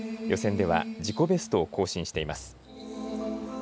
予選では、自己ベストを更新しています。